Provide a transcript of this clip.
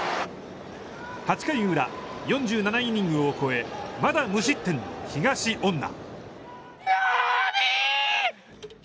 ８回裏、４７イニングを超え、まだ無失点の東恩納。